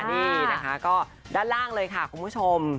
นี่นะคะก็ด้านล่างเลยค่ะคุณผู้ชม